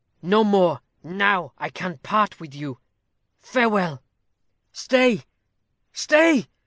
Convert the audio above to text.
"No more. Now I can part with you. Farewell!" "Stay, stay!